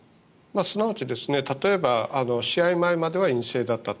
すなわち例えば試合前までは陰性だったと。